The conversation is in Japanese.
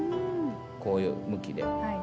こういう向きで。